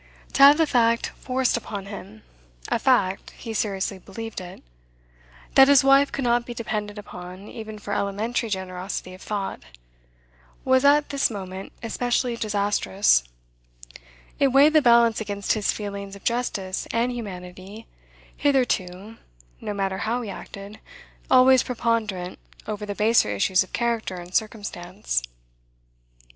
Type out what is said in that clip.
To have the fact forced upon him (a fact he seriously believed it) that his wife could not be depended upon even for elementary generosity of thought, was at this moment especially disastrous; it weighed the balance against his feelings of justice and humanity, hitherto, no matter how he acted, always preponderant over the baser issues of character and circumstance.